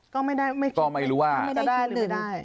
ก็ไม่รู้ว่ามันจะได้หรือได้